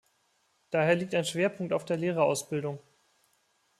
Daher liegt ein Schwerpunkt auf der Lehrerausbildung.